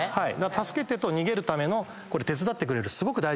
助けてと逃げるためのこれ手伝ってくれるすごく大事な道具なんで。